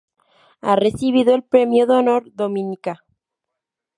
Ha recibido el Premio de Honor Dominica.